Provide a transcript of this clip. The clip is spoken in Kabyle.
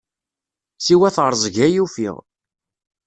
Siwa teṛẓeg ay ufiɣ.